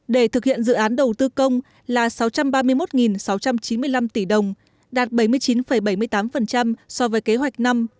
để thực hiện dự án đầu tư công là sáu trăm ba mươi một sáu trăm chín mươi năm tỷ đồng đạt bảy mươi chín bảy mươi tám so với kế hoạch năm